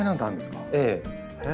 ええ。